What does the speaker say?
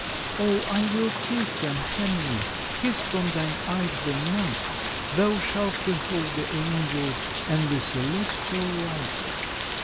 "Oh, I will kiss them, Henry, Kiss from thine eyes the night. Thou shalt behold the angels And the celestial light."